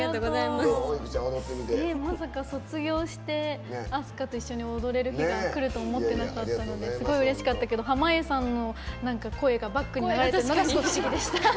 まさか卒業して飛鳥と一緒に踊れる日がくるとは思ってなかったのですごいうれしかったけど濱家さんの声がバックに流れて不思議でした。